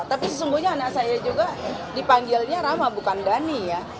tapi sesungguhnya anak saya juga dipanggilnya rama bukan dhani ya